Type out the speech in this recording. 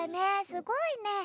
すごいね。